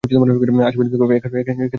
আশেপাশে দেখো, এখানে কোথাও আছে।